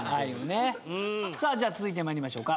じゃあ続いて参りましょうか。